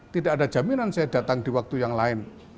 tidak ada jaminan saya datang di waktu yang lain